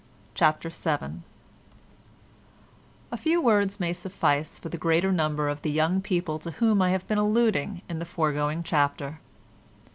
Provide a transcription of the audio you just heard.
CHAPTER VII A few words may suffice for the greater number of the young people to whom I have been alluding in the foregoing chapter.